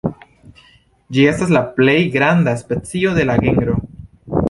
Ĝi estas la plej granda specio de la genro.